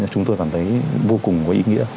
chúng tôi cảm thấy vô cùng có ý nghĩa